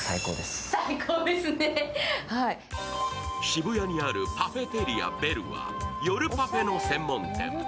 渋谷にあるパフェテリアベルは夜パフェの専門店。